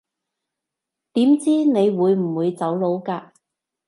點知你會唔會走佬㗎